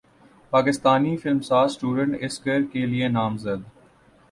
پاکستانی فلم ساز student Oscar کے لیے نامزد